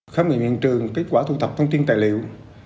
khám nghiệm hiện trường kết quả thu thập thông tin tài liệu